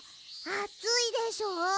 あついでしょ？